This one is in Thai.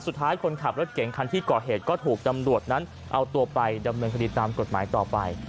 คนขับรถเก่งคันที่ก่อเหตุก็ถูกตำรวจนั้นเอาตัวไปดำเนินคดีตามกฎหมายต่อไป